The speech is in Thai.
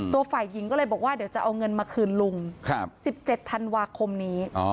ฝ่ายหญิงก็เลยบอกว่าเดี๋ยวจะเอาเงินมาคืนลุง๑๗ธันวาคมนี้